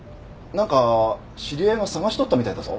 何か知り合いが捜しとったみたいだぞ。